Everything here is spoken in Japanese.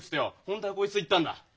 本当はこいつと行ったんだ。